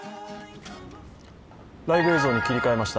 ライブ映像に切り替えました。